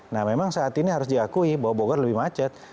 nah memang saat ini harus diakui bahwa bogor lebih macet